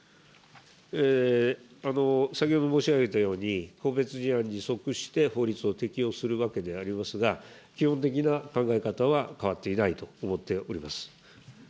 先ほど申し上げたように、個別事案に即して法律を適用するわけでありますが、基本的な考え方は変わっていないと思っております。